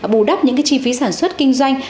bù đắp những chi phí sản xuất kinh doanh